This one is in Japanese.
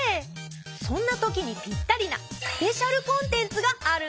そんなときにぴったりなスペシャルコンテンツがあるんだよ！